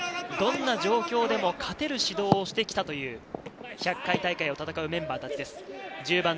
どんな状況でも勝てる指導をしてきたという、１００回大会を戦うメンバーたちです。